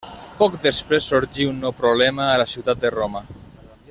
Poc després sorgí un nou problema a la ciutat de Roma.